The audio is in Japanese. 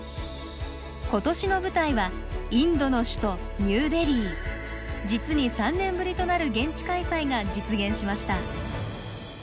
今年の舞台は実に３年ぶりとなる現地開催が実現しました。